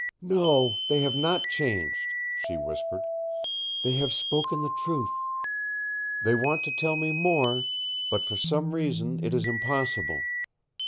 "No, they have not changed," she whispered. "They have spoken the truth. They want to tell me more, but for some reason it is impossible.